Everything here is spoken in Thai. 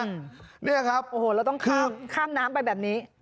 นี่แหละครับคือโอ้โหแล้วต้องข้ามน้ำไปแบบนี้